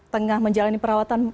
tengah menjalani perawatan